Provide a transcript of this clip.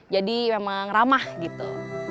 jadi memang ramah gitu